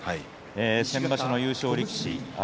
先場所の優勝力士阿炎